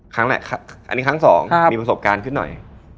ครั้งนี้ครั้งสองมีประสบการณ์ขึ้นหน่อย